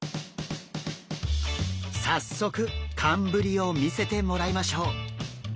早速寒ぶりを見せてもらいましょう。